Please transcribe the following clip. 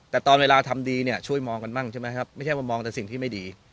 แต่ตอนเวลาทำดีเนี่ยช่วยมองกันบ้างใช่ไหมครับไม่ใช่ว่ามองแต่สิ่งที่ไม่ดี